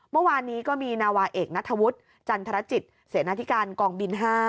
เมื่อวานนี้ก็มีนาวาเอกนัทธวุฒิจันทรจิตเสนาธิการกองบิน๕